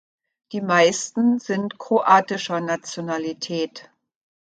Die meisten sind kroatischer Nationalität.